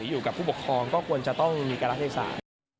อยู่กับผู้บัคคลองก็ควรจะต้องมีการละเทศา